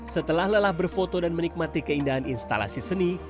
setelah lelah berfoto dan menikmati keindahan instalasi seni